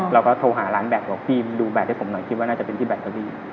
เราก็โทรหาร้านแบตบอกพี่ดูแบตให้ผมหน่อยคิดว่าน่าจะเป็นที่แบตเก้าอี้